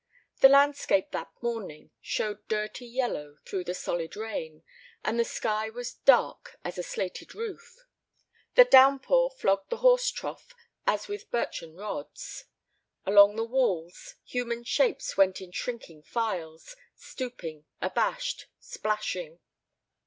The landscape that morning showed dirty yellow through the solid rain, and the sky was dark as a slated roof. The downpour flogged the horse trough as with birchen rods. Along the walls, human shapes went in shrinking files, stooping, abashed, splashing.